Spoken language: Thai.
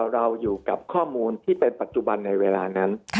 เราอยู่กับข้อมูลที่เป็นปัจจุบันในเวลานั้น